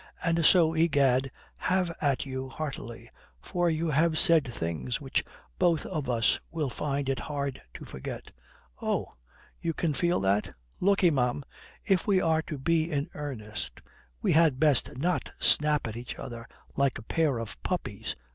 And so, egad, have at you heartily. For you have said things which both of us will find it hard to forget." "Oh, you can feel that?" "Look 'e, ma'am, if we are to be in earnest, we had best not snap at each other like a pair of puppies.